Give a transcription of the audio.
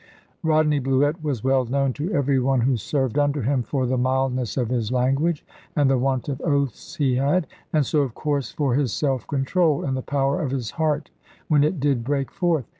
Rodney Bluett was well known to every one who served under him for the mildness of his language, and the want of oaths he had; and so, of course, for his self control, and the power of his heart when it did break forth.